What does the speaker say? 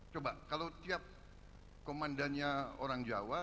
coba kalau tiap komandannya orang jawa